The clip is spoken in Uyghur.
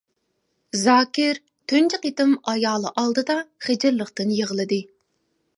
زاكىر تۇنجى قېتىم ئايالى ئالدىدا خىجىللىقتىن يىغلىدى.